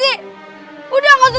udah gak usah semua baik deh